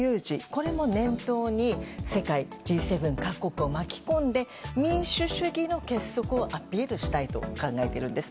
これも念頭に世界Ｇ７各国を巻き込んで民主主義の結束をアピールしたいと考えているんです。